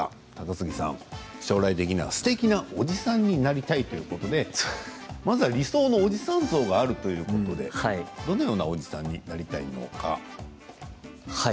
将来的にはすてきなおじさんになりたいということで、まずは理想のおじさん像があるということで、どのようなおじさんになりたいのか。